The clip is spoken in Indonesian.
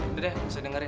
udah deh saya dengerin